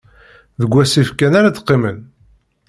Deg wasif kan ara d-qqimen.